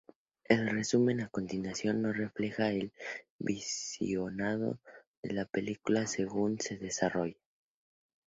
El resumen a continuación no refleja el visionado de la película según se desarrolla.